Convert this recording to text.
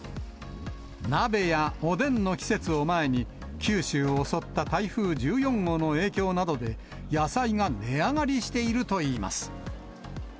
鍋やおでんの季節を前に、九州を襲った台風１４号の影響などで、野菜が値上がりしているといいます。